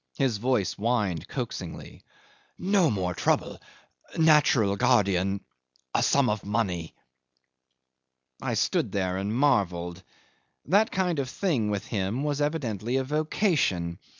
His voice whined coaxingly, "No more trouble natural guardian a sum of money ..." 'I stood there and marvelled. That kind of thing, with him, was evidently a vocation.